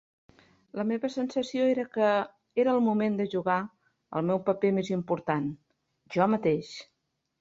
La meva sensació era que era el moment de jugar el meu paper més important - jo mateix!